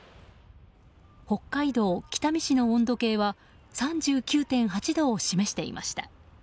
北海道北見市の温度計は３９．８度を示していました。